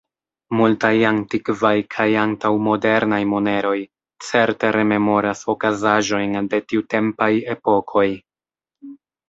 Multaj antikvaj kaj antaŭ-modernaj moneroj certe rememoras okazaĵojn de tiutempaj epokoj.